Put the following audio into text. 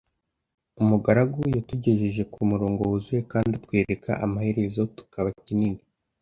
Umugaragu yatugejeje kumurongo wuzuye kandi atwereka amaherezo tukaba kinini